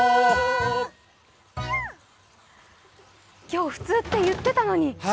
今日普通って言ってたのに。